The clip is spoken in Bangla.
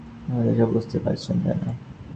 আপনি তো সব বুঝতে পারছেন, তাই না?